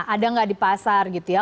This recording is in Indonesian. ada nggak di pasar gitu ya